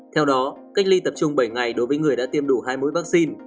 theo đó cách ly tập trung bảy ngày đối với người đã tiêm đủ hai mũi vắc xin